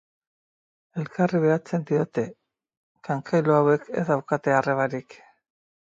Elkarri behatzen diote, kankailu hauek ez daukate arrebarik.